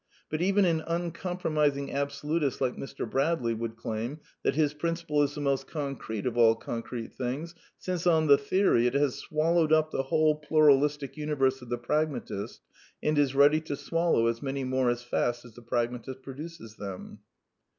But even an uncompromising ab solutist like Mr. Bradley would claim that his principle is the most concrete of all concrete things, since, on the theory, it has swallowed up the whole Pluralistic Universe of the, pragmatist, and is ready to swallow as many more as fast as the pragmatist produces them.